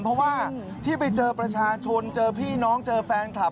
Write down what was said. เพราะว่าที่ไปเจอประชาชนเจอพี่น้องเจอแฟนคลับ